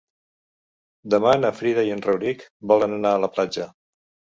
Demà na Frida i en Rauric volen anar a la platja.